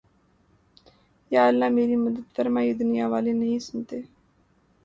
یا اللہ میری مدد فرمایہ دنیا والے نہیں سنتے